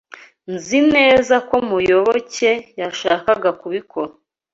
Nzi neza ko Muyoboke yashakaga kubikora.